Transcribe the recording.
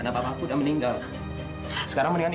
kenapa aku harus pakai cincin ini